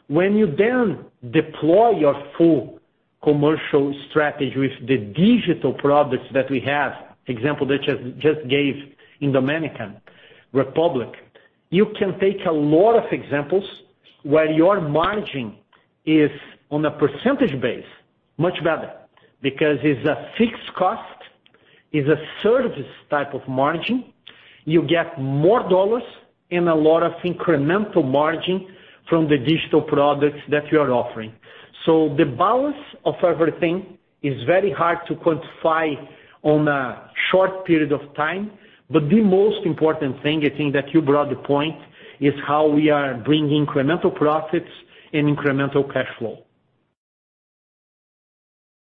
When you then deploy your full commercial strategy with the digital products that we have, example that just gave in Dominican Republic, you can take a lot of examples where your margin is on a percentage base much better because it's a fixed cost, it's a service type of margin. You get more dollars and a lot of incremental margin from the digital products that you are offering. The balance of everything is very hard to quantify on a short period of time. The most important thing, I think that you brought the point, is how we are bringing incremental profits and incremental cash flow.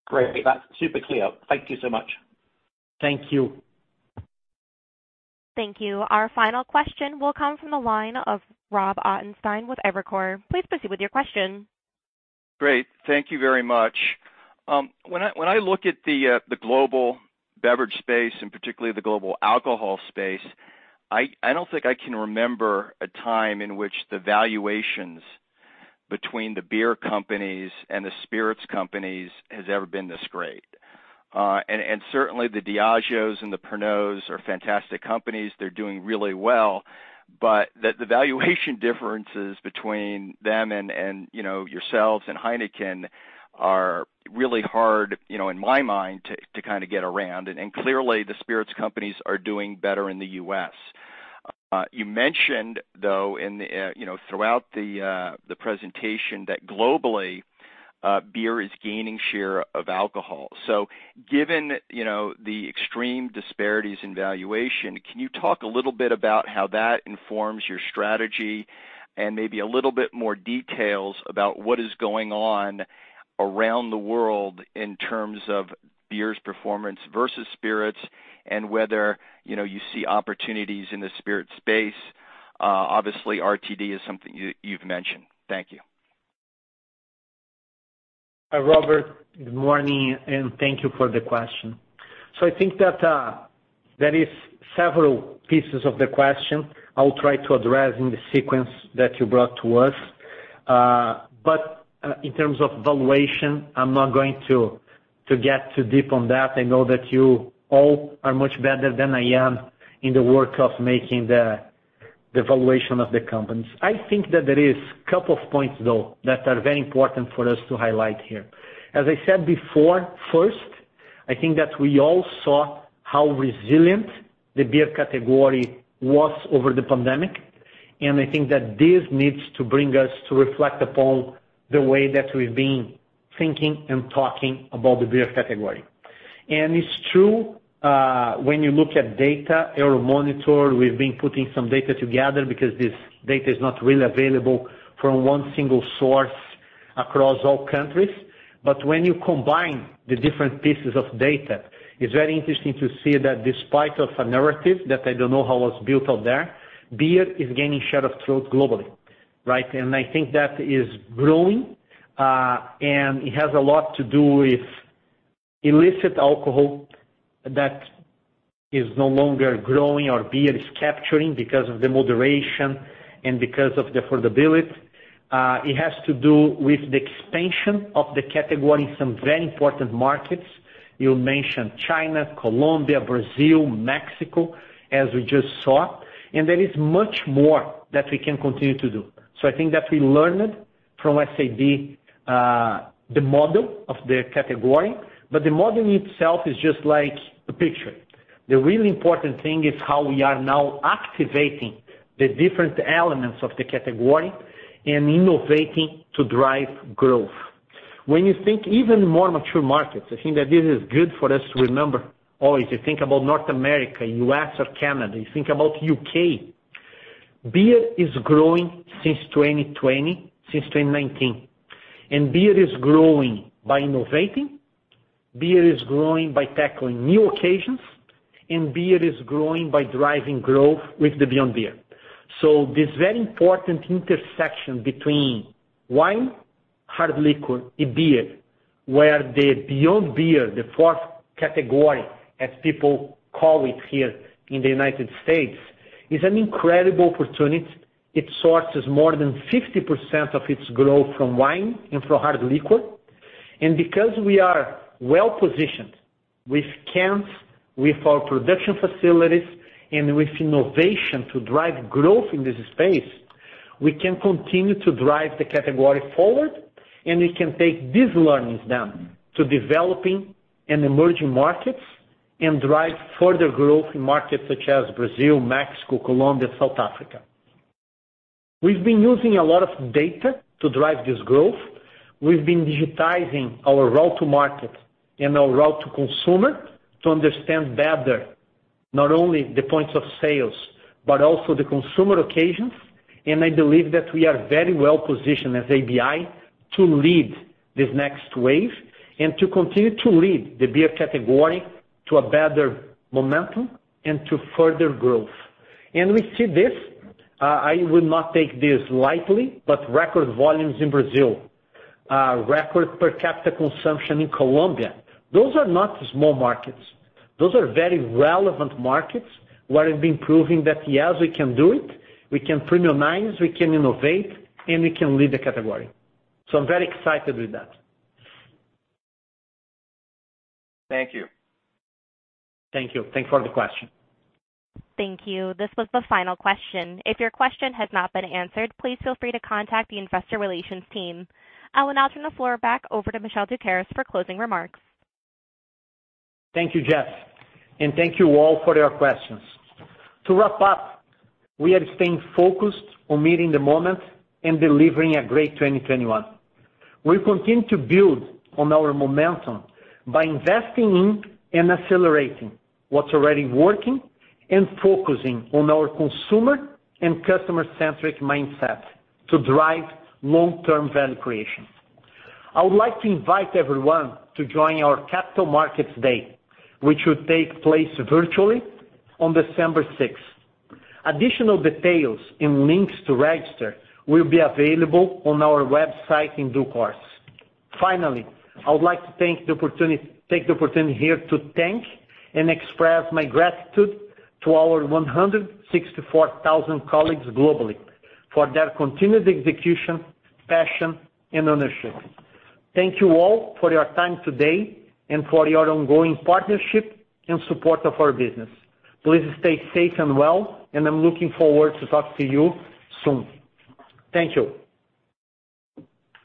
Great. That's super clear. Thank you so much. Thank you. Thank you. Our final question will come from the line of Rob Ottenstein with Evercore. Please proceed with your question. Great. Thank you very much. When I look at the global beverage space, and particularly the global alcohol space, I don't think I can remember a time in which the valuations between the beer companies and the spirits companies has ever been this great. Certainly the Diageo and Pernod Ricard are fantastic companies. They're doing really well, but the valuation differences between them and you know yourselves and Heineken are really hard, you know, in my mind to kinda get around. Clearly, the spirits companies are doing better in the U.S. You mentioned though in the you know throughout the presentation that globally beer is gaining share of alcohol. Given, you know, the extreme disparities in valuation, can you talk a little bit about how that informs your strategy and maybe a little bit more details about what is going on around the world in terms of beer's performance versus spirits and whether, you know, you see opportunities in the spirit space? Obviously, RTD is something you've mentioned. Thank you. Robert, good morning and thank you for the question. I think that, there is several pieces of the question I'll try to address in the sequence that you brought to us. In terms of valuation, I'm not going to get too deep on that. I know that you all are much better than I am in the work of making the valuation of the companies. I think that there is a couple of points, though, that are very important for us to highlight here. As I said before, first, I think that we all saw how resilient the beer category was over the pandemic, and I think that this needs to bring us to reflect upon the way that we've been thinking and talking about the beer category. It's true, when you look at data, Euromonitor, we've been putting some data together because this data is not really available from one single source across all countries. When you combine the different pieces of data, it's very interesting to see that despite of a narrative that I don't know how it was built out there, beer is gaining share of throat globally, right? I think that is growing, and it has a lot to do with illicit alcohol that is no longer growing or beer is capturing because of the moderation and because of the affordability. It has to do with the expansion of the category in some very important markets. You mentioned China, Colombia, Brazil, Mexico, as we just saw. There is much more that we can continue to do. I think that we learned from SAB, the model of the category, but the model itself is just like a picture. The really important thing is how we are now activating the different elements of the category and innovating to drive growth. When you think even more mature markets, I think that this is good for us to remember always. You think about North America, U.S. or Canada, you think about U.K. Beer is growing since 2020, since 2019, and beer is growing by innovating, beer is growing by tackling new occasions, and beer is growing by driving growth with the Beyond Beer. This very important intersection between wine, hard liquor and beer, where the Beyond Beer, the fourth category as people call it here in the United States, is an incredible opportunity. It sources more than 50% of its growth from wine and from hard liquor. Because we are well-positioned with cans, with our production facilities, and with innovation to drive growth in this space. We can continue to drive the category forward, and we can take these learnings down to developing and emerging markets and drive further growth in markets such as Brazil, Mexico, Colombia, South Africa. We've been using a lot of data to drive this growth. We've been digitizing our route to market and our route to consumer to understand better not only the points of sale but also the consumer occasions. I believe that we are very well positioned as ABI to lead this next wave and to continue to lead the beer category to a better momentum and to further growth. We see this, I will not take this lightly, but record volumes in Brazil, record per capita consumption in Colombia. Those are not small markets. Those are very relevant markets where we've been proving that, yes, we can do it, we can premiumize, we can innovate, and we can lead the category. I'm very excited with that. Thank you. Thank you. Thanks for the question. Thank you. This was the final question. If your question has not been answered, please feel free to contact the investor relations team. I will now turn the floor back over to Michel Doukeris for closing remarks. Thank you, Jess, and thank you all for your questions. To wrap up, we are staying focused on meeting the moment and delivering a great 2021. We continue to build on our momentum by investing in and accelerating what's already working and focusing on our consumer and customer-centric mindset to drive long-term value creation. I would like to invite everyone to join our Capital Markets Day, which will take place virtually on December 6. Additional details and links to register will be available on our website in due course. Finally, I would like to take the opportunity here to thank and express my gratitude to our 164,000 colleagues globally for their continuous execution, passion, and ownership. Thank you all for your time today and for your ongoing partnership and support of our business. Please stay safe and well, and I'm looking forward to talk to you soon. Thank you.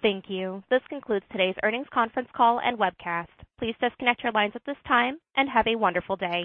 Thank you. This concludes today's earnings conference call and webcast. Please disconnect your lines at this time and have a wonderful day.